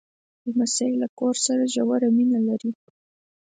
لمسی له کور سره ژوره مینه لري.